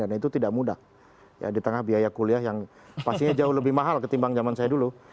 dan itu tidak mudah ya di tengah biaya kuliah yang pastinya jauh lebih mahal ketimbang zaman saya dulu